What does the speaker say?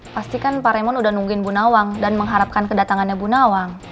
pastikan pak remon udah nungguin bu nawang dan mengharapkan kedatangannya bu nawang